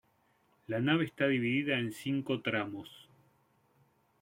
La nave está dividida en cinco tramos.